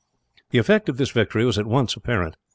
The effect of this victory was at once apparent.